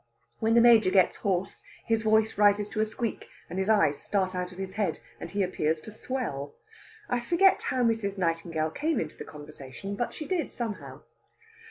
When the Major gets hoarse his voice rises to a squeak, and his eyes start out of his head, and he appears to swell. I forget how Mrs. Nightingale came into the conversation, but she did, somehow.